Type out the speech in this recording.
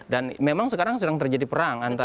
dan memang sekarang sedang terjadi perang